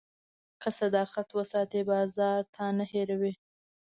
که صداقت وساتې، بازار تا نه هېروي.